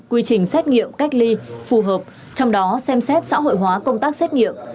quy trình xét nghiệm cách ly phù hợp trong đó xem xét xã hội hóa công tác xét nghiệm